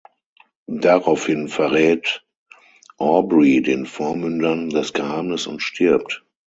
Daraufhin verrät Aubrey den Vormündern das Geheimnis und stirbt.